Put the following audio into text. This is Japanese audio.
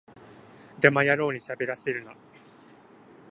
デマ野郎にしゃべらせるな